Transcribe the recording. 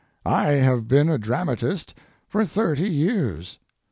I have been a dramatist for thirty years.